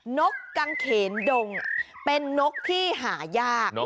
นกกังเขนดงเป็นนกที่หายาก